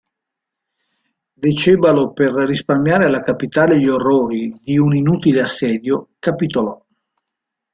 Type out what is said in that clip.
Decebalo, per risparmiare alla capitale gli orrori di un inutile assedio, capitolò.